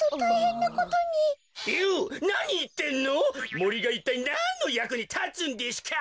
もりがいったいなんのやくにたつんデシュか！